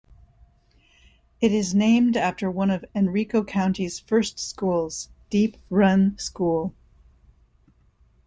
It is named after one of Henrico County's first schools: Deep Run School.